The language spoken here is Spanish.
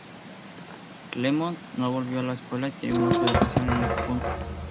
Clemmons no volvió a la escuela y terminó su educación en ese punto.